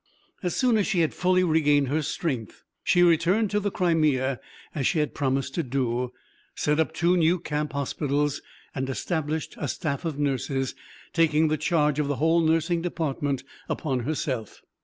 As soon as she had fully regained her strength, she returned to the Crimea as she had promised to do, set up two new camp hospitals, and established a staff of nurses, taking the charge of the whole nursing department upon herself.